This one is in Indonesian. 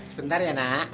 bentar ya nak